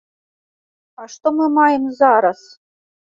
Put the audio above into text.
А што мы маем зараз?